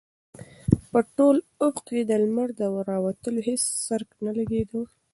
په ټول افق کې د لمر د راوتلو هېڅ څرک نه لګېده.